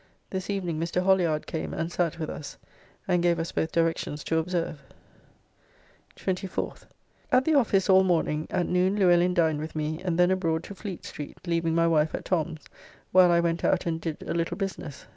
This evening Mr. Holliard came and sat with us, and gave us both directions to observe. 24th. At the office all morning, at noon Luellin dined with me, and then abroad to Fleet Street, leaving my wife at Tom's while I went out and did a little business.